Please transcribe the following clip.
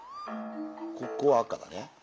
ここ赤だね。